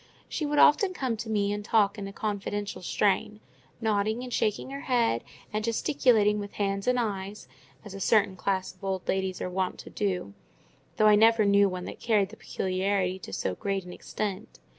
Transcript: She would often come to me and talk in a confidential strain; nodding and shaking her head, and gesticulating with hands and eyes, as a certain class of old ladies are wont to do; though I never knew one that carried the peculiarity to so great an extent.